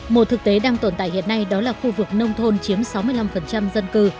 một thực tế đang tồn tại hiện nay đó là khu vực nông thôn chiếm sáu mươi năm dân cư